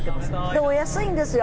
でお安いんですよ。